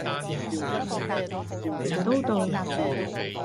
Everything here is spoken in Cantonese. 成都道